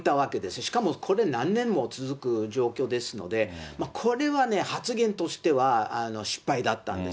しかもこれ、何年も続く状況ですので、これはね、発言としては失敗だったんです。